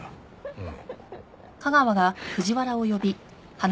うん。